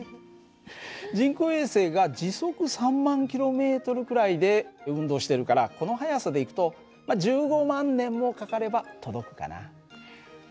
人工衛星が時速３万ｋｍくらいで運動してるからこの速さでいくと１５万年もかかれば届くかな。